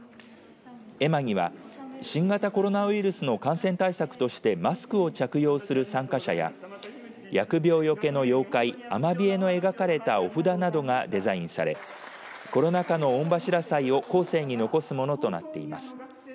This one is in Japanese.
絵馬には新型コロナウイルスの感染対策としてマスクを着用する参加者や疫病よけの妖怪アマビエの描かれたお札などがデザインされコロナ禍の御柱祭を後世に残すものとなっています。